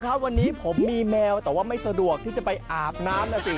ครับวันนี้ผมมีแมวแต่ว่าไม่สะดวกที่จะไปอาบน้ำนะสิ